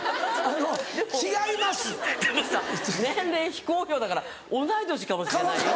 でもさ年齢非公表だから同い年かもしれないよ？